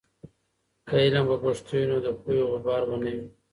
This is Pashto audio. که علم په پښتو وي، نو د پوهې غبار به نه وي.